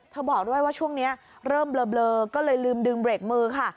บอกด้วยว่าช่วงนี้เริ่มเบลอก็เลยลืมดึงเบรกมือค่ะ